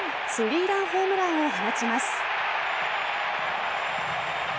３ランホームランを放ちます。